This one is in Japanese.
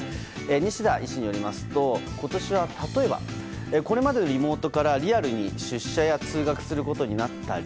西多医師によりますと今年は、例えばこれまでのリモートからリアルに出社や通学することになったり